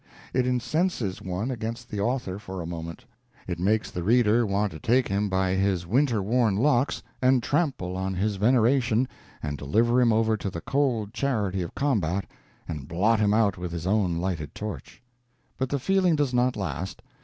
It incenses one against the author for a moment. It makes the reader want to take him by his winter worn locks, and trample on his veneration, and deliver him over to the cold charity of combat, and blot him out with his own lighted torch. But the feeling does not last.